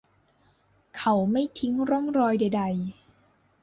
เขาไม่ทิ้งร่องรอยใด ๆ